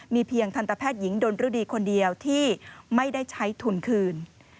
เพียงทันตแพทย์หญิงดนรดีคนเดียวที่ไม่ได้ใช้ทุนคืน